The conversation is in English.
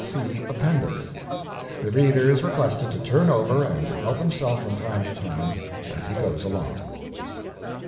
See Appendix. The reader is requested to turn over and help himself from time to time as he goes along.